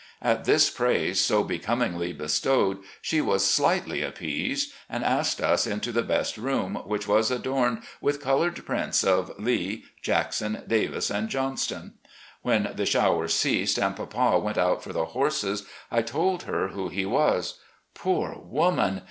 At this praise, so becomingly bestowed, she was slightly appeased, and asked us into the best room, which was adorned with colored prints of Lee, Jackson, Davis, and Johnston. When the shower ceased and papa went out for the horses I told her who he was. Poor woman!